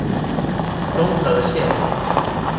中和線